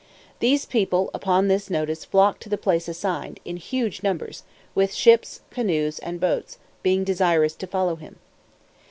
These people upon this notice flocked to the place assigned, in huge numbers, with ships, canoes, and boats, being desirous to follow him.